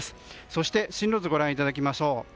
そして進路図ご覧いただきましょう。